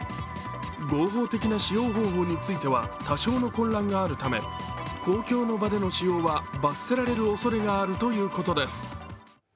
合法的な使用方法については多少の混乱があるため公共の場での使用は罰せられるおそれがあるということです。